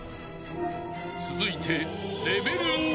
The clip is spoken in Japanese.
［続いて］